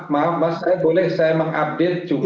maaf maaf mas boleh saya mengupdate juga